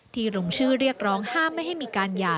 ลงชื่อเรียกร้องห้ามไม่ให้มีการหย่า